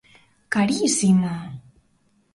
Carísima!